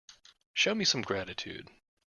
Show me some gratitude.